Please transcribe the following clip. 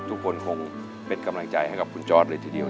ทุกคนคงเป็นกำลังใจให้กับคุณจอร์ดเลยทีเดียว